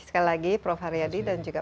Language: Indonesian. sekali lagi prof haryadi dan juga